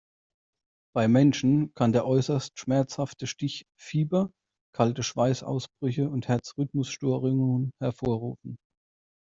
Bei Menschen kann der äußerst schmerzhafte Stich Fieber, kalte Schweißausbrüche und Herzrhythmusstörungen hervorrufen.